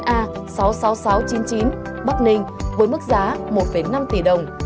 chín mươi chín a sáu mươi sáu nghìn sáu trăm chín mươi chín bắc ninh với mức giá một năm tỷ đồng